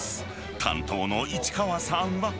担当の市川さんは。